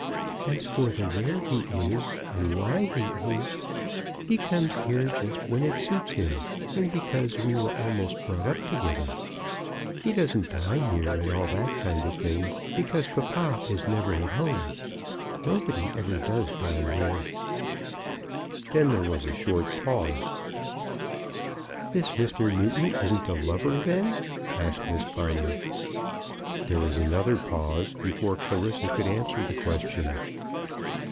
"As for the where he is, and why he is, he comes here just when it suits him, and because we were almost brought up together. He doesn't dine here, and all that kind of thing, because papa is never at home. Nobody ever does dine here." Then there was a short pause. "This Mr. Newton isn't a lover then?" asked Miss Bonner. There was another pause before Clarissa could answer the question.